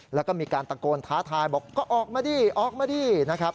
แล้วก็มีการตะโกนท้าทายบอกก็ออกมาดิออกมาดีนะครับ